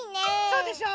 そうでしょ？